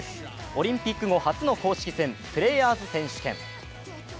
オリンピック後初の公式戦プレーヤーズ選手権。